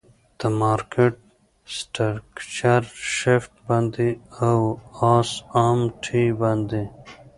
د مارکیټ سټرکچر شفټ باندی او آس آم ټی باندی.